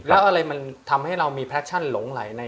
แล้วอะไรมันทำให้เรามีแพลชั่นหลงไหลใน